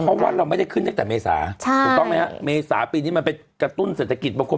เพราะว่าเราไม่ได้ขึ้นตั้งแต่เมษาถูกต้องไหมฮะเมษาปีนี้มันไปกระตุ้นเศรษฐกิจบางคน